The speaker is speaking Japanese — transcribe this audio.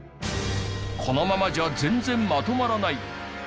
このままじゃ全然まとまらない。